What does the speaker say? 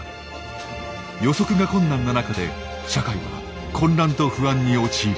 予測が困難な中で社会は混乱と不安に陥ります。